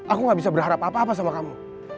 aku gak bisa berharap apa apa sama kamu